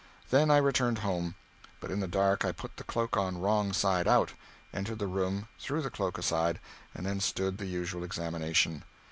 Then I returned home. But in the dark I put the cloak on wrong side out, entered the room, threw the cloak aside, and then stood the usual examination.